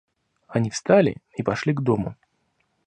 Они встали и пошли к дому.